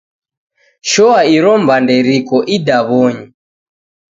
Shoa iro mbande riko idaw'onyi.